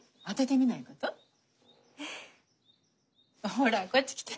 ほらこっち来て。